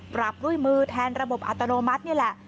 ปรับด้วยมือแทนระบบอัตโนมัตินี่แหละ